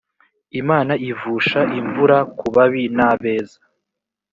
imana ivusha imvura kubabi na beza